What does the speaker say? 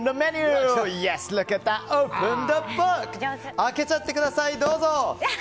開けちゃってください。